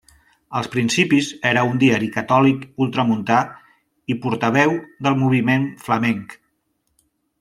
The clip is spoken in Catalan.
Als principis era un diari catòlic ultramuntà i portaveu del moviment flamenc.